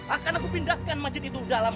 akan aku pindahkan masjid itu ke dalam